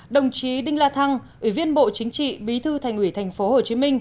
đồng chí đinh la thăng ủy viên bộ chính trị bí thư thành ủy tp hcm